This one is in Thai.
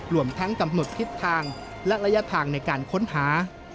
รวมทั้งกำหนดทิศทางและระยะทางในการค้นหา